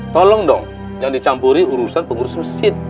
tolong dong jangan dicampuri urusan pengurus mesjid